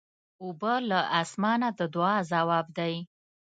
اوبه له اسمانه د دعا ځواب دی.